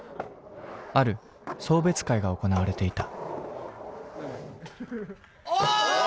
ある送別会が行われていた。